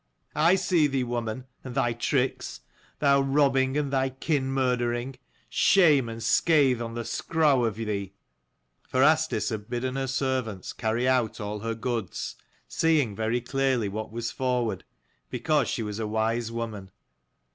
I see thee, woman, and thy tricks : thou robbing and thy kin murdering. Shame and scathe on the scrow of ye !" For Asdis had bidden her servants carry out all her goods, seeing very clearly what was forward, because she was a wise woman.